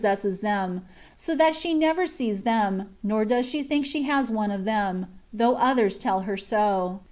sesses them, so that she never sees them, nor does she think she has one of them, though others tell her so.